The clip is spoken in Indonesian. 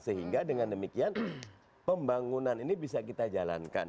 sehingga dengan demikian pembangunan ini bisa kita jalankan